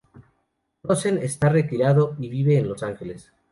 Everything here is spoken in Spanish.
Rosen está retirado y vive en Los Angeles.